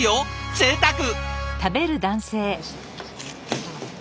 ぜいたく！